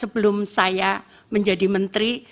sebelum saya menjadi menteri